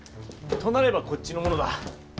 となればこっちのものだ。